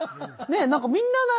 何かみんななれ。